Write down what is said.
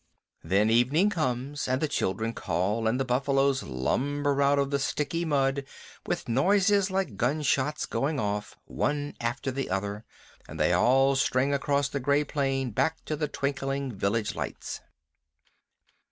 Then evening comes and the children call, and the buffaloes lumber up out of the sticky mud with noises like gunshots going off one after the other, and they all string across the gray plain back to the twinkling village lights.